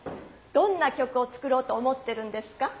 どんな曲を作ろうと思ってるんですか？